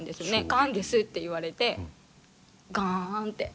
がんですって言われてガンって。